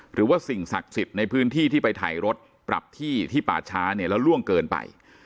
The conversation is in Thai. หรือว่าสิ่งศักดิ์สิทธิ์ในพื้นที่ที่ไปถ่ายรถปรับที่ที่ป่าช้าเนี่ยแล้วล่วงเกินไป